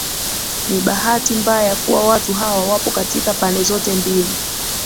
Ni bahati mbaya kuwa watu hawa wapo katika pande zote mbili